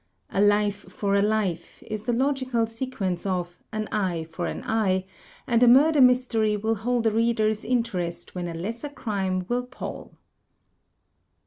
"A life for a life" is the logical sequence of "an eye for an eye" and a murder mystery will hold a reader^s interest when a lesser crime will pall.